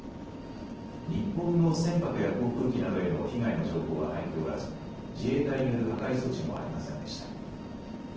日本の船舶や航空機などへの被害の情報は入っておらず自衛隊による破壊措置もありませんでした。